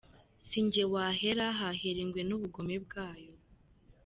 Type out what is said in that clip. Sinjye wahera, hahera ingwe n’ubugome bwayo.